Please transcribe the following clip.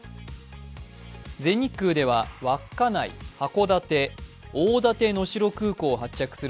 全日空では稚内、函館、大館能代空港を発着する